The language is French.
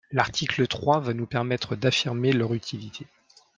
L’article trois va nous permettre d’affirmer leur utilité.